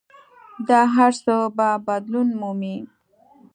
دا هر څه به بدلون مومي.